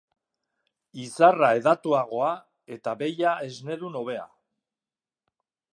Izarra hedatuagoa eta behia esnedun hobea.